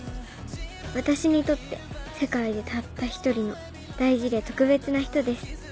私にとって世界でたった１人の大事で特別な人です。